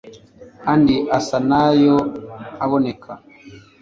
andi asa na yo aboneka